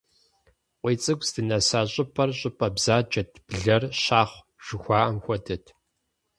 КъуийцӀыкӀу здынэса щӀыпӀэр щӀыпӀэ бзаджэт, блэр щахъу жыхуаӀэм хуэдэт.